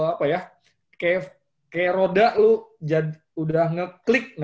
apa ya kayak roda lu udah ngeklik